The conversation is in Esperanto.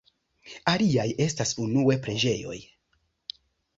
Aliaj estas unue preĝejoj.